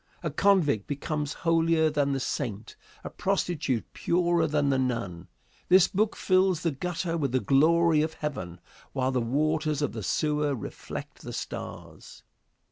A convict becomes holier than the saint, a prostitute purer than the nun. This book fills the gutter with the glory of heaven, while the waters of the sewer reflect the stars.